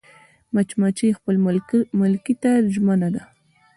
مچمچۍ خپل ملکې ته ژمنه ده